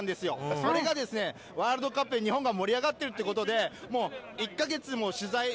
それが、ワールドカップで日本が盛り上がってるということで１カ月も取材